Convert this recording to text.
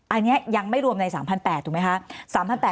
อันนี้ยังไม่รวมใน๓๘๐๐ถูกไหมคะ